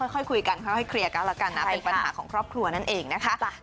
ค่อยคุยกันค่อยเคลียร์กันแล้วกันนะเป็นปัญหาของครอบครัวนั่นเองนะคะ